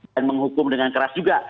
dan menghukum dengan keras juga